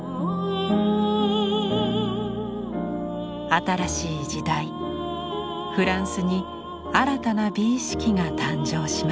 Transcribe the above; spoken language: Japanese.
新しい時代フランスに新たな美意識が誕生しました。